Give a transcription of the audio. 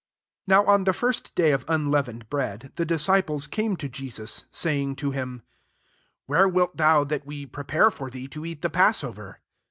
17 NOW on the first day of un leavened bread, the disciples came to Jesus, saying [fa Jdm], " Where wilt dwu that we pre pare for thee, to eat the pass over?